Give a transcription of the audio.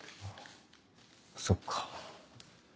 そっか。